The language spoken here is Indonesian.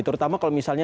terutama kalau misalnya